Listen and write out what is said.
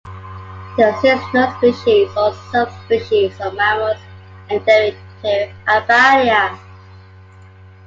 There exists no species or sub-species of mammals endemic to Albania.